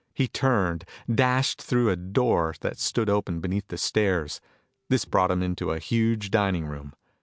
He turned, dashed through a door that stood open beneath the stairs. This brought him into a huge dining room.